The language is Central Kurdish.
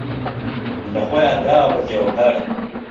له خۆیان داوه جهوههر